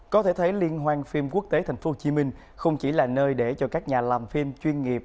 có thể thấy liên hoan phim quốc tế thành phố hồ chí minh không chỉ là nơi để cho các nhà làm phim chuyên nghiệp